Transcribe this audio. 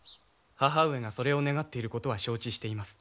母上がそれを願っていることは承知しています。